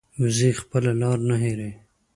وزې خپله لار نه هېروي